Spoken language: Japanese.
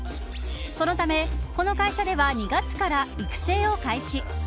そのため、この会社では２月から育成を開始。